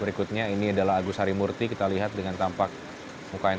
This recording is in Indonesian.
berikutnya ini adalah agus harimurti kita lihat dengan tampak mukanya